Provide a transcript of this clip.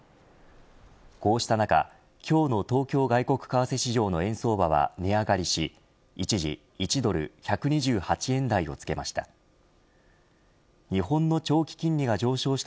こうした中、今日の東京外国為替市場の円相場は値上がりし一時１ドル１２８円台をつけました。